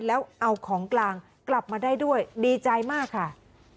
แล้วเอาของกลางกลับมาได้ด้วยดีใจมากค่ะ